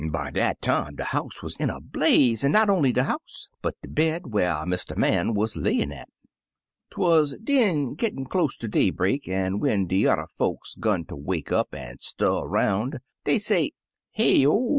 "By dat time de house wuz in a blaze^ an' not only de house, but de bed whar Mr. Man wuz layin' at. Twuz den gittin' close ter daybreak, an' when de yuther folks 'gun ter wake up an' stir 'roun', dey say, 'Heyo!